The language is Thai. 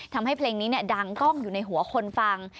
ทำให้เพลงนี้ดังกล้องอยู่ในหัวคนฟัง